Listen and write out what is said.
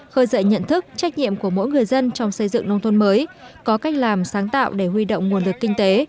khơi dậy nhận thức trách nhiệm của mỗi người dân trong xây dựng nông thôn mới có cách làm sáng tạo để huy động nguồn lực kinh tế